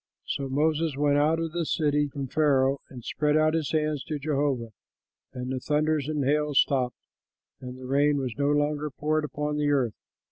So Moses went out of the city from Pharaoh and spread out his hands to Jehovah; and the thunders and hail stopped, and the rain was no longer poured upon the earth.